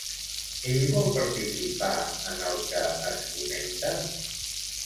Ell vol participar en el que es comenta?